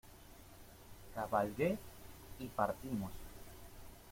cabalgué y partimos.